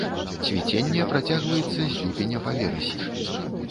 Цвіценне працягваецца з ліпеня па верасень.